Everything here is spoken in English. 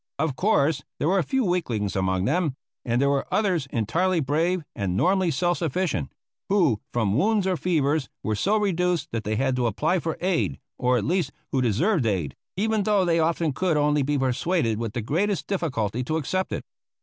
Of course, there were a few weaklings among them; and there were others, entirely brave and normally self sufficient, who, from wounds or fevers, were so reduced that they had to apply for aid or at least, who deserved aid, even though they often could only be persuaded with the greatest difficulty to accept it.